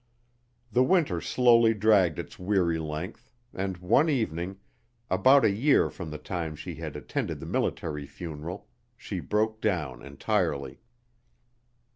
The winter slowly dragged its weary length, and one evening, about a year from the time she had attended the military funeral, she broke down entirely.